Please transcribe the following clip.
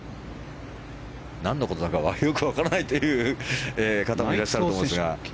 何のことだかよく分からないという方もいらっしゃると思いますが。